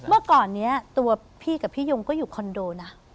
เมื่อก่อนนี้ตัวพี่กับพี่ยงก็อยู่คอนโดนะ